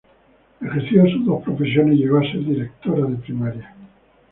Ejerció sus dos profesiones y llegó a ser directora de primaria.